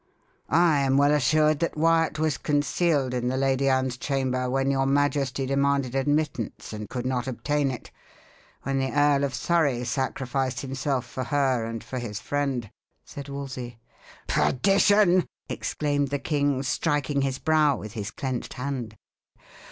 "I am well assured that Wyat was concealed in the Lady Anne's chamber when your majesty demanded admittance and could not obtain it when the Earl of Surrey sacrificed himself for her, and for his friend," said Wolsey. "Perdition!" exclaimed the king, striking his brow with his clenched hand.